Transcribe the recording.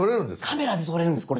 カメラで撮れるんですこれ。